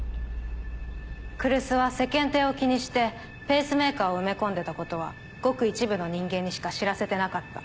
来栖は世間体を気にしてペースメーカーを埋め込んでたことはごく一部の人間にしか知らせてなかった。